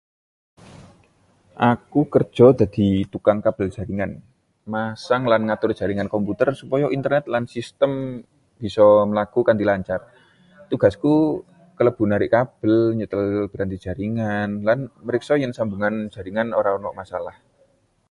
Aku kerja dadi tukang kabel jaringan, masang lan ngatur jaringan komputer supaya internet lan sistem bisa mlaku kanthi lancar. Tugasku kalebu narik kabel, nyetel piranti jaringan, lan mriksa yen sambungan jaringan ora ana masalah.